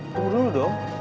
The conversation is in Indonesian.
tunggu dulu dong